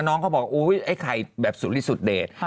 น้องเขาบอกไอ้ไข่แบบสุดที่สุดเด่น